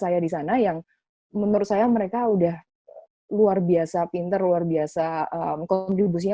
saya di sana yang menurut saya mereka udah luar biasa pinter luar biasa kontribusinya